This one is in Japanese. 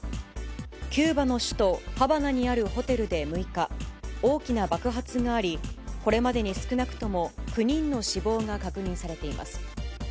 キューバの首都ハバナにあるホテルで６日、大きな爆発があり、これまでに少なくとも９人の死亡が確認されています。